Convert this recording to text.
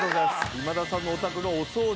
今田さんのお宅のお掃除